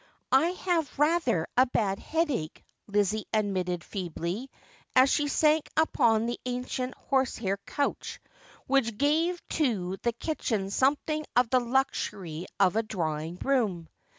'I have rather a bad headache.' Lizzie admitted feebly, as she sank upon the ancient horsehair couch which gave to the kitchen something of the luxury of a drawing room.